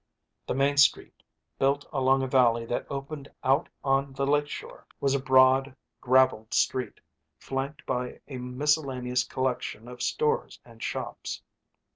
The main street, built along a valley that opened out on the lake shore, was a broad, graveled street, flanked by a miscellaneous collection of stores and shops.